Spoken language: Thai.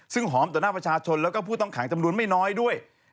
ซึ่งหอมต่อหน้าประชาชนแล้วก็ผู้ต้องขังจำนวนไม่น้อยด้วย